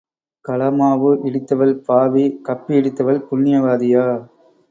கலமாவு இடித்தவள் பாவி, கப்பி இடித்தவள் புண்ணியவதியா?